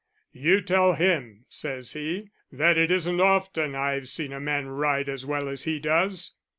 'You tell him,' says he, 'that it isn't often I've seen a man ride as well as he does.